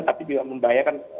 tapi juga membahayakan